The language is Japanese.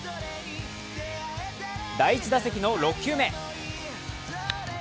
第１打席の６球目。